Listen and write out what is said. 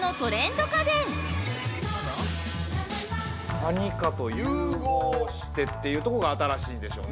◆何かと融合してってところが新しいんでしょうね。